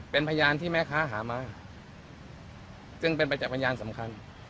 เป็นพยานที่แม่ค้าหามาซึ่งเป็นประจักษ์พยานสำคัญ